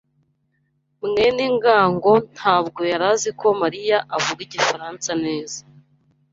mwene ngango ntabwo yari azi ko Mariya avuga igifaransa neza.